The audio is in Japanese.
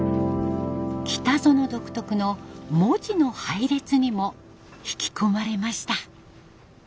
北園独特の文字の配列にも引き込まれました。